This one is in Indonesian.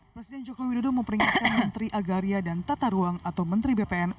presiden jokowi dodo memperingatkan menteri agaria dan tata ruang atau menteri bpn